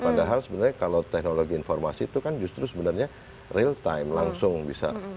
padahal sebenarnya kalau teknologi informasi itu kan justru sebenarnya real time langsung bisa